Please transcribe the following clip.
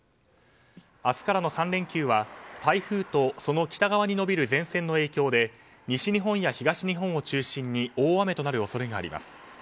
明日からの３連休は台風とその北側に延びる前線の影響で西日本や東日本を中心に大雨となる恐れがあります。